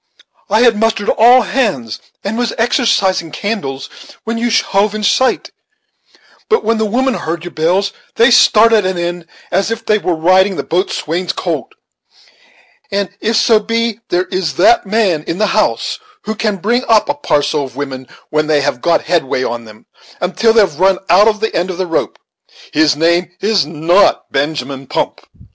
I had mustered all hands and was exercising candles, when you hove in sight; but when the women heard your bells they started an end, as if they were riding the boat swain's colt; and if so be there is that man in the house who can bring up a parcel of women when they have got headway on them, until they've run out the end of their rope, his name is not Benjamin Pump.